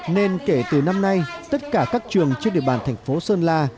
nên kể từ năm nay tất cả các trường trên địa bàn thành phố sơn la